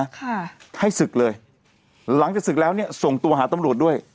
ค่ะให้ศึกเลยหลังจากศึกแล้วเนี้ยส่งตัวหาตำรวจด้วย